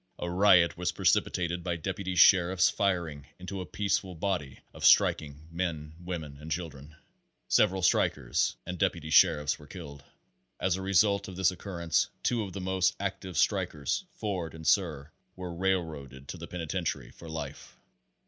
A riot was precipitated by deputy sheriffs firing into a peaceful body of striking men, women and children. Several strikers and deputy sheriffs were killed. As a result of this occurrence two of the most active strik ers, Ford and Suhr, were railroaded to the penitentiary for life.